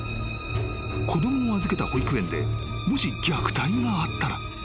［子供を預けた保育園でもし虐待があったら］